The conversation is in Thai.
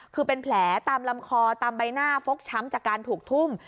คือเป็นแผลตามลำคอตามใบหน้าฟกช้ำจากการถูกทุ่ม